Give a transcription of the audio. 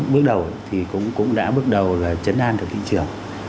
bước đầu thì cũng đã bước đầu là chấn an được thị trường